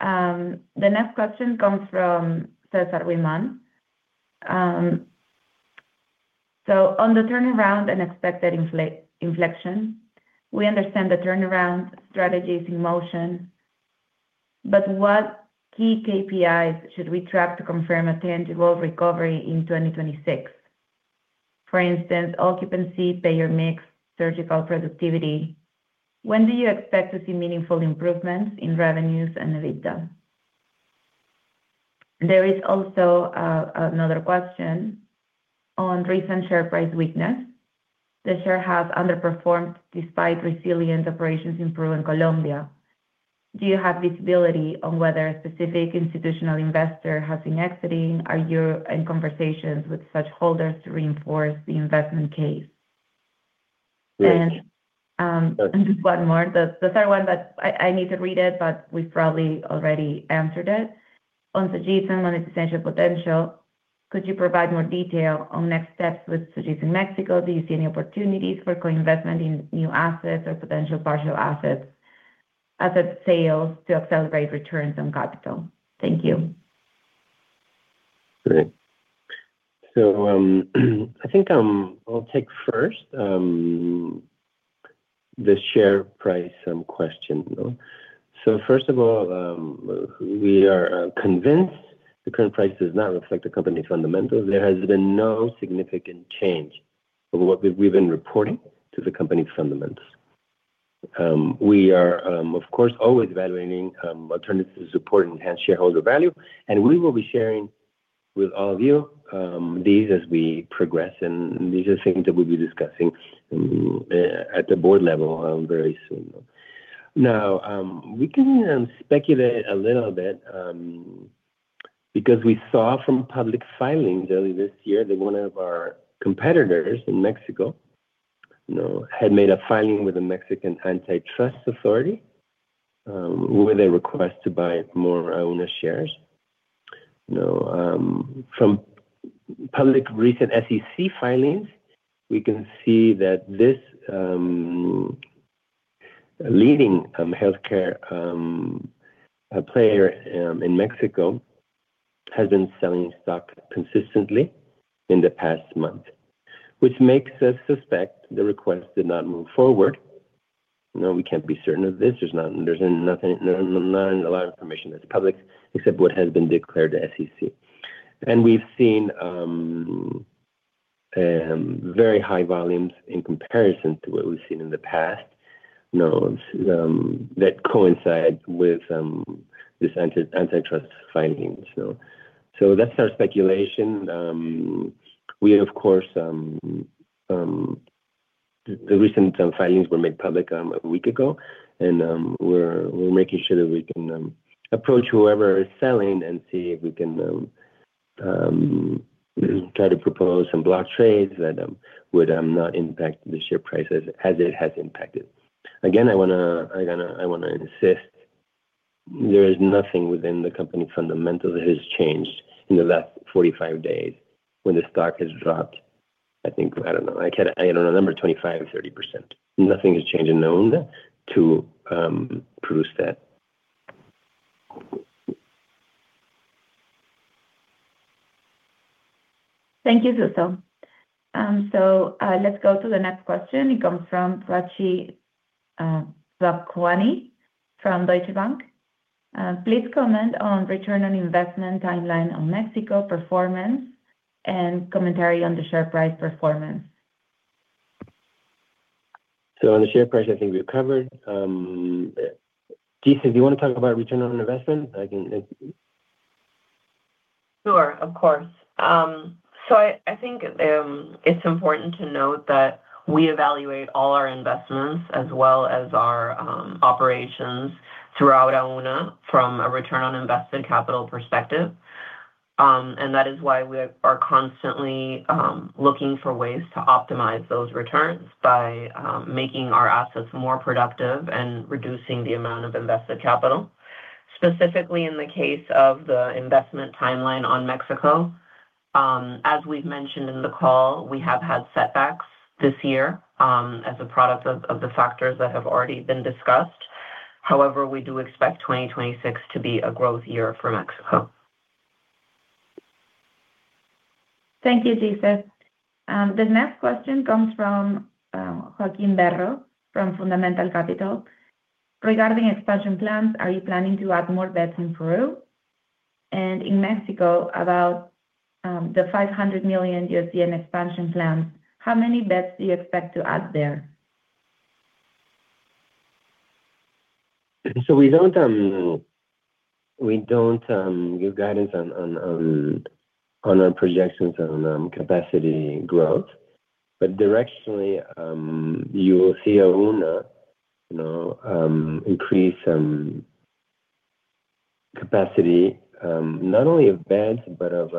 The next question comes from César Limón. On the turnaround and expected inflection, we understand the turnaround strategy is in motion, but what key KPIs should we track to confirm a tangible recovery in 2026? For instance, occupancy, payer mix, surgical productivity. When do you expect to see meaningful improvements in revenues and EBITDA? There is also another question on recent share price weakness. The share has underperformed despite resilient operations in Peru and Colombia. Do you have visibility on whether a specific institutional investor has been exiting? Are you in conversations with such holders to reinforce the investment case? One more. Those are ones that I need to read, but we've probably already answered it. On Sojitz and monetization potential, could you provide more detail on next steps with Sojitz in Mexico? Do you see any opportunities for co-investment in new assets or potential partial asset sales to accelerate returns on capital? Thank you. Great. I think I'll take first the share price question. First of all, we are convinced the current price does not reflect the company's fundamentals. There has been no significant change of what we've been reporting to the company's fundamentals. We are, of course, always evaluating alternatives to support and enhance shareholder value, and we will be sharing with all of you these as we progress, and these are things that we'll be discussing at the board level very soon. Now, we can speculate a little bit because we saw from public filings earlier this year that one of our competitors in Mexico had made a filing with the Mexican Antitrust Authority with a request to buy more Auna shares. From public recent SEC filings, we can see that this leading healthcare player in Mexico has been selling stock consistently in the past month, which makes us suspect the request did not move forward. We can't be certain of this. There's not a lot of information that's public except what has been declared to SEC. We have seen very high volumes in comparison to what we've seen in the past that coincide with these antitrust findings. That's our speculation. Of course, the recent filings were made public a week ago, and we're making sure that we can approach whoever is selling and see if we can try to propose some block trades that would not impact the share price as it has impacted. Again, I want to insist there is nothing within the company's fundamentals that has changed in the last 45 days when the stock has dropped, I think, I don't know, I don't remember, 25, 30%. Nothing has changed in Auna to produce that. Thank you, Suso. Let's go to the next question. It comes from Prachi Thakwani from Deutsche Bank. Please comment on return on investment timeline on Mexico performance and commentary on the share price performance. On the share price, I think we've covered. Gisele, do you want to talk about return on investment? I can. Sure, of course. I think it's important to note that we evaluate all our investments as well as our operations throughout Auna from a return on invested capital perspective. That is why we are constantly looking for ways to optimize those returns by making our assets more productive and reducing the amount of invested capital. Specifically, in the case of the investment timeline in Mexico, as we've mentioned in the call, we have had setbacks this year as a product of the factors that have already been discussed. However, we do expect 2026 to be a growth year for Mexico. Thank you, Gisele. The next question comes from Joaquin Berro from Fundamental Capital. Regarding expansion plans, are you planning to add more beds in Peru? And in Mexico, about the $500 million in expansion plans, how many beds do you expect to add there? We do not give guidance on our projections on capacity growth, but directionally, you will see Auna increase capacity, not only of beds, but of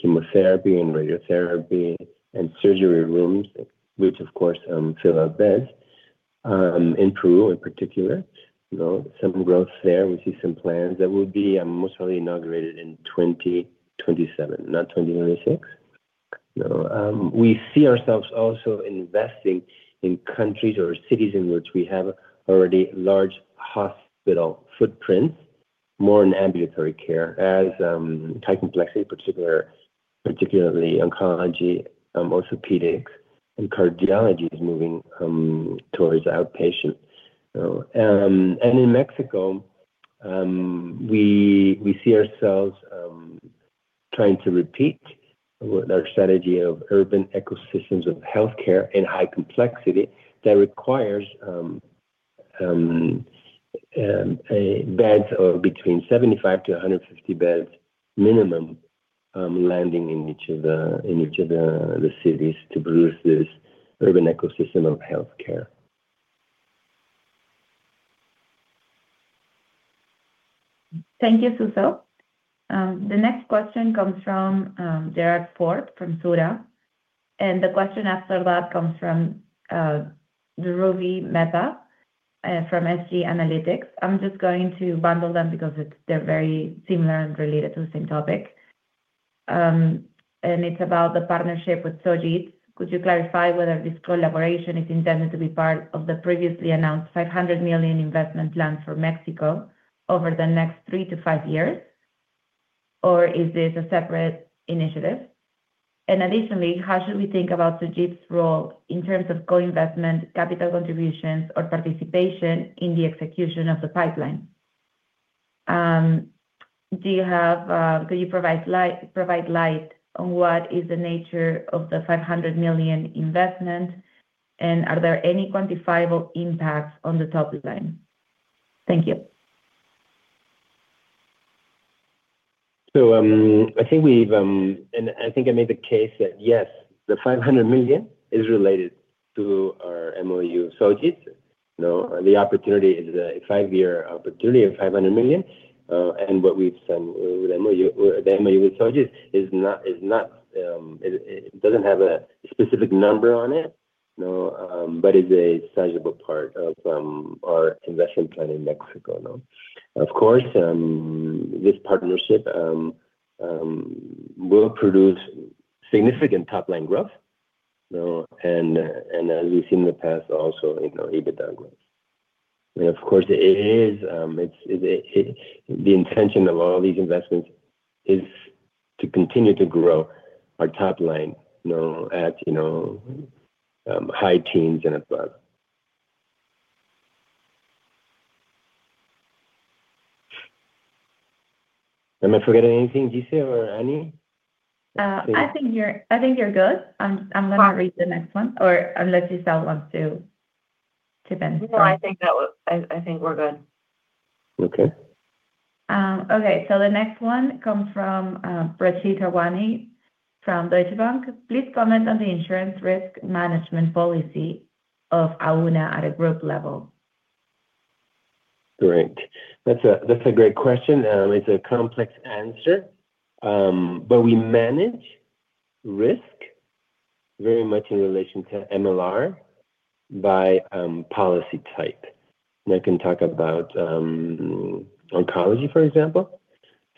chemotherapy and radiotherapy and surgery rooms, which, of course, fill out beds in Peru in particular. Some growth there. We see some plans that will be most probably inaugurated in 2027, not 2026. We see ourselves also investing in countries or cities in which we have already large hospital footprints, more in ambulatory care as high complexity, particularly oncology, orthopedics, and cardiology is moving towards outpatient. In Mexico, we see ourselves trying to repeat our strategy of urban ecosystems of healthcare and high complexity that requires beds between 75-150 beds minimum landing in each of the cities to produce this urban ecosystem of healthcare. Thank you, Suso. The next question comes from Gerard Forbes from SURA. The question after that comes from Dhruvi Mehta from SG Analytics. I'm just going to bundle them because they're very similar and related to the same topic. It's about the partnership with Sojitz. Could you clarify whether this collaboration is intended to be part of the previously announced $500 million investment plan for Mexico over the next three to five years, or is this a separate initiative? Additionally, how should we think about Sojitz's role in terms of co-investment, capital contributions, or participation in the execution of the pipeline? Could you provide light on what is the nature of the $500 million investment, and are there any quantifiable impacts on the top line? Thank you. I think we've, and I think I made the case that, yes, the $500 million is related to our MOU with Sojitz. The opportunity is a five-year opportunity of $500 million. What we have done with the MOU with Sojitz is it does not have a specific number on it, but it is a sizable part of our investment plan in Mexico. Of course, this partnership will produce significant top-line growth. As we have seen in the past, also EBITDA growth. The intention of all these investments is to continue to grow our top line at high teens and above. Am I forgetting anything, Gisele, or Ana Maria Mora? I think you are good. I am going to read the next one, unless you still want to chip in. No, I think we are good. Okay. The next one comes from Prachi Thakwani from Deutsche Bank. Please comment on the insurance risk management policy of Auna at a group level. Great. That is a great question. It's a complex answer, but we manage risk very much in relation to MLR by policy type. I can talk about oncology, for example.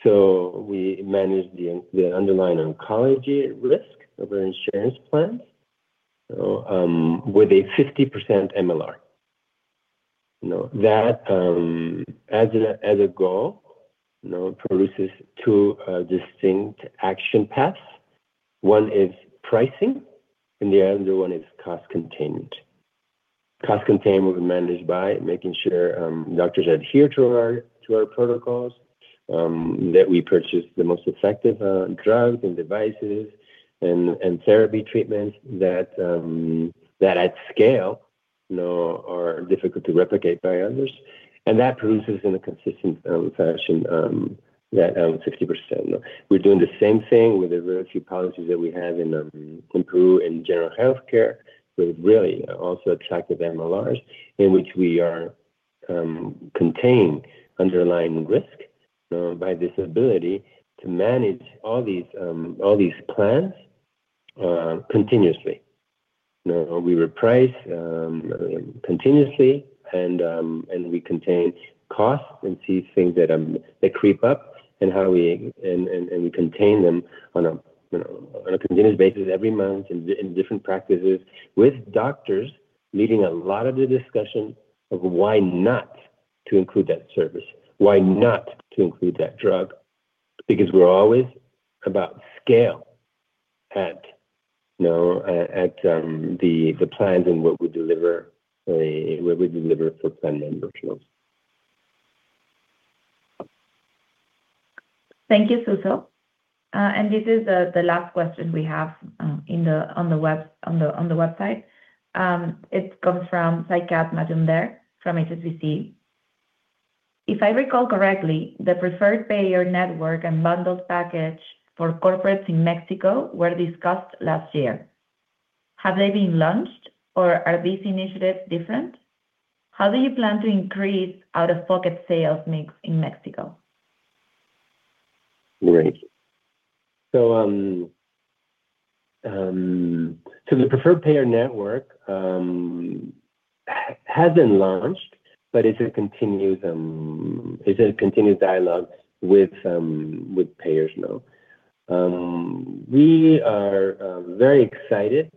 We manage the underlying oncology risk of our insurance plans with a 50% MLR. That, as a goal, produces two distinct action paths. One is pricing, and the other one is cost containment. Cost containment will be managed by making sure doctors adhere to our protocols, that we purchase the most effective drugs and devices and therapy treatments that, at scale, are difficult to replicate by others. That produces in a consistent fashion that 50%. We're doing the same thing with the very few policies that we have in Peru and general healthcare, but it really also attracted MLRs in which we are containing underlying risk by this ability to manage all these plans continuously. We reprice continuously, and we contain costs and see things that creep up, and how we contain them on a continuous basis every month in different practices with doctors leading a lot of the discussion of why not to include that service, why not to include that drug, because we're always about scale at the plans and what we deliver for planned management. Thank you, Suso. This is the last question we have on the website. It comes from Saikat Majumder from HSBC. If I recall correctly, the preferred payer network and bundled package for corporates in Mexico were discussed last year. Have they been launched, or are these initiatives different? How do you plan to increase out-of-pocket sales mix in Mexico? Great. The preferred payer network has been launched, but it's a continuous dialogue with payers. We are very excited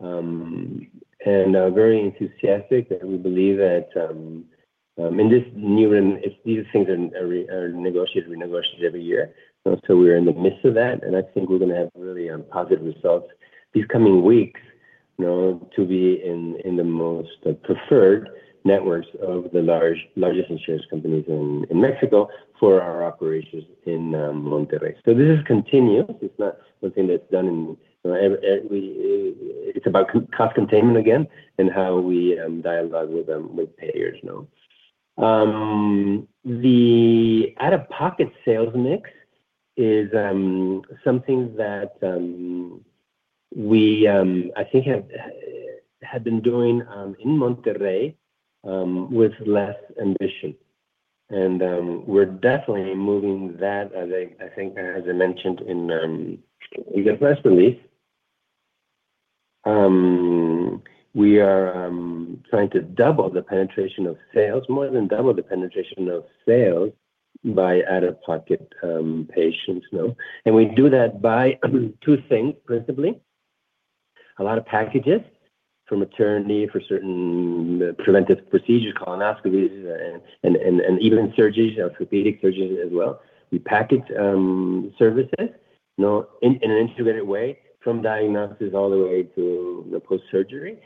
and very enthusiastic that we believe that in this new these things are negotiated, renegotiated every year. We are in the midst of that, and I think we are going to have really positive results these coming weeks to be in the most preferred networks of the largest insurance companies in Mexico for our operations in Monterrey. This is continuous. It is not something that is done in, it is about cost containment again and how we dialogue with payers. The out-of-pocket sales mix is something that we, I think, had been doing in Monterrey with less ambition. We are definitely moving that, as I think I mentioned in the press release. We are trying to double the penetration of sales, more than double the penetration of sales by out-of-pocket patients. We do that by two things, principally. A lot of packages from attorney for certain preventive procedures, colonoscopies, and even surgeries, orthopedic surgeries as well. We package services in an integrated way from diagnosis all the way to post-surgery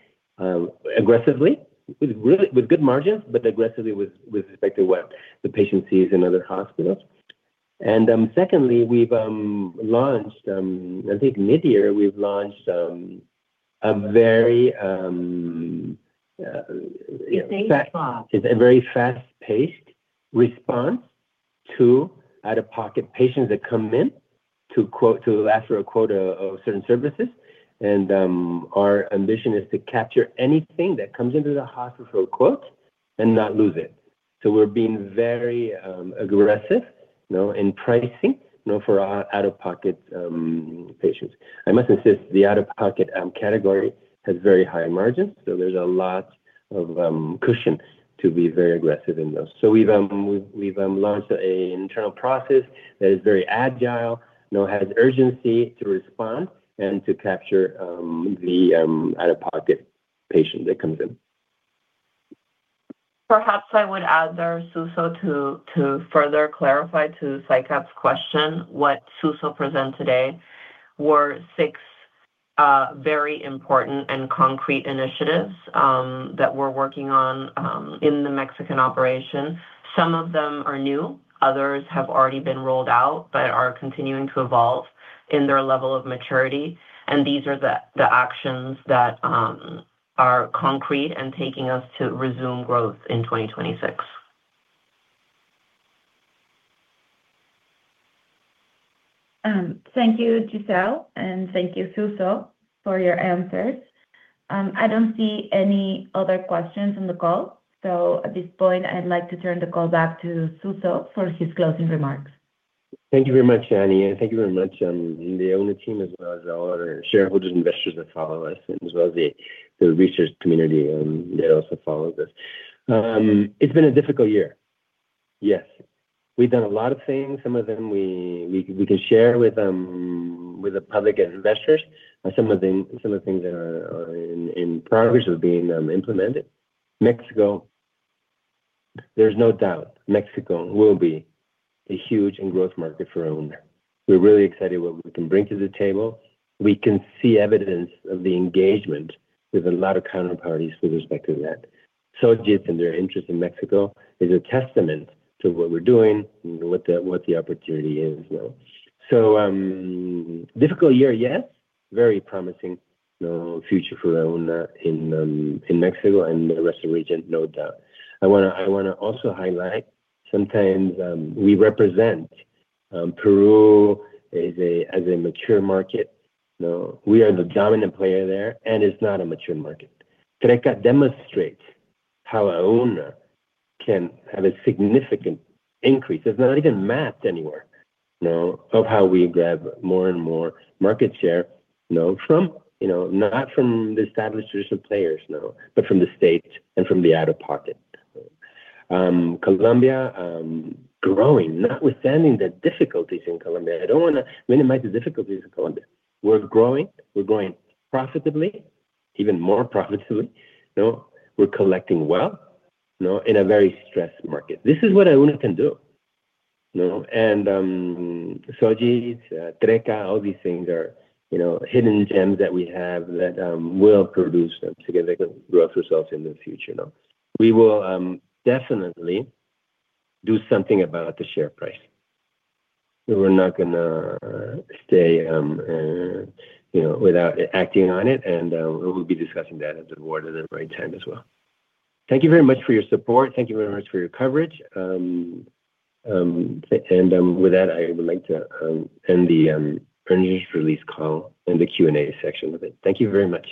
aggressively, with good margins, but aggressively with respect to what the patient sees in other hospitals. Secondly, we've launched, I think mid-year, we've launched a very. It's a very fast-paced response to out-of-pocket patients that come in to ask for a quote of certain services. Our ambition is to capture anything that comes into the hospital for a quote and not lose it. We're being very aggressive in pricing for out-of-pocket patients. I must insist the out-of-pocket category has very high margins, so there's a lot of cushion to be very aggressive in those. We've launched an internal process that is very agile, has urgency to respond and to capture the out-of-pocket patient that comes in. Perhaps I would add there, Suso, to further clarify to Saikat's question, what Suso presented today were six very important and concrete initiatives that we're working on in the Mexican operation. Some of them are new. Others have already been rolled out but are continuing to evolve in their level of maturity. These are the actions that are concrete and taking us to resume growth in 2026. Thank you, Gisele, and thank you, Suso, for your answers. I don't see any other questions on the call. At this point, I'd like to turn the call back to Suso for his closing remarks. Thank you very much, Ana Maria Mora. Thank you very much, the ownership team, as well as all our shareholders, investors that follow us, and as well as the research community that also follows us. It's been a difficult year. Yes. We've done a lot of things. Some of them we can share with the public and investors. Some of the things that are in progress are being implemented. Mexico, there's no doubt Mexico will be a huge and growth market for Auna. We're really excited about what we can bring to the table. We can see evidence of the engagement with a lot of counterparties with respect to that. Gisele, their interest in Mexico is a testament to what we're doing and what the opportunity is. Difficult year, yes, very promising future for Auna in Mexico and the rest of the region, no doubt. I want to also highlight sometimes we represent Peru as a mature market. We are the dominant player there, and it's not a mature market. Trecca demonstrates how Auna can have a significant increase. It's not even mapped anywhere of how we grab more and more market share from not from the established traditional players, but from the state and from the out-of-pocket. Colombia is growing, notwithstanding the difficulties in Colombia. I don't want to minimize the difficulties in Colombia. We're growing. We're growing profitably, even more profitably. We're collecting well in a very stressed market. This is what Auna can do. And Sojitz, Trecca, all these things are hidden gems that we have that will produce significant growth results in the future. We will definitely do something about the share price. We're not going to stay without acting on it, and we'll be discussing that at the board at the right time as well. Thank you very much for your support. Thank you very much for your coverage. With that, I would like to end the earnings release call and the Q&A section with it. Thank you very much.